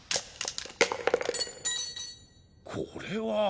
これは。